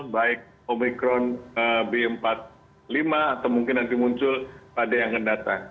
baik omikron b empat puluh lima atau mungkin nanti muncul pada yang akan datang